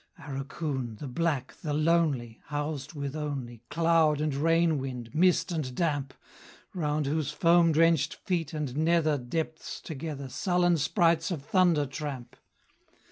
Arakoon, the black, the lonely! Housed with only Cloud and rain wind, mist and damp; Round whose foam drenched feet and nether Depths, together Sullen sprites of thunder tramp!